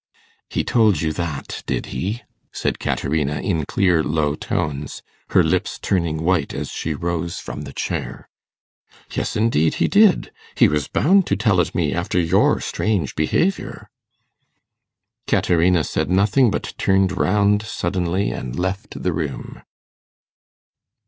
'He told you that, did he?' said Caterina, in clear low tones, her lips turning white as she rose from her chair. 'Yes, indeed, he did. He was bound to tell it me after your strange behaviour.' Caterina said nothing, but turned round suddenly and left the room.